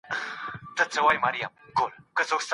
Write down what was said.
د خدای کارونه دي جانانه